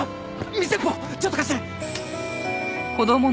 水鉄砲ちょっと貸して！